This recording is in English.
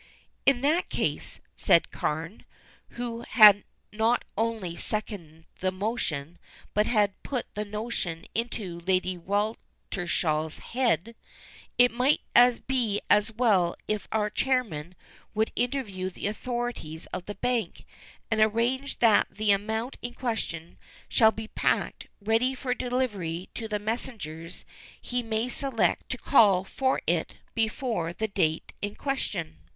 "In that case," said Carne, who had not only seconded the motion, but had put the notion into Lady Weltershall's head, "it might be as well if our chairman would interview the authorities of the bank, and arrange that the amount in question shall be packed, ready for delivery to the messengers he may select to call for it before the date in question."